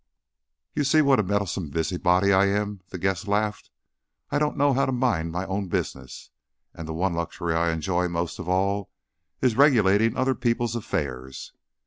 "You see what a meddlesome busybody I am," the guest laughed. "I don't know how to mind my own business, and the one luxury I enjoy most of all is regulating other people's affairs."